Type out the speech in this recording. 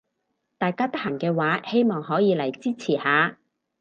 大家得閒嘅話希望可以嚟支持下